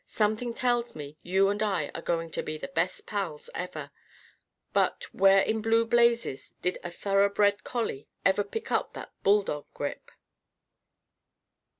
Something tells me you and I are going to be the best pals ever. But where in blue blazes did a thoroughbred collie ever pick up that bulldog grip?"